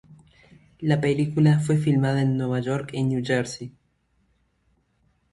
La película fue filmada en Nueva York y New Jersey.